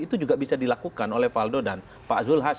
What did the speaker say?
itu juga bisa dilakukan oleh valdo dan pak zulhas